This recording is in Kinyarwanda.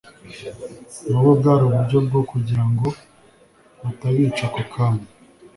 n’ubwo bwari uburyo bwo kugirango batabica ako kanya